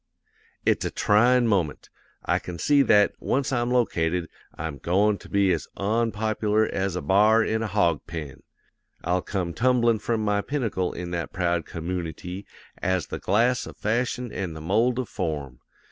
"'It's a tryin' moment. I can see that, once I'm located, I'm goin' to be as onpop'lar as a b'ar in a hawg pen; I'll come tumblin' from my pinnacle in that proud commoonity as the glass of fashion an' the mold of form.